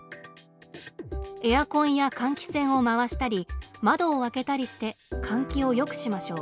エアコンや換気扇を回したり窓を開けたりして換気をよくしましょう。